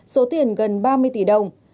số tiền gần ba mươi tỷ đồng